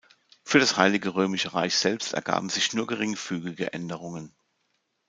Für das Heilige Römische Reich selbst ergaben sich nur geringfügige Änderungen.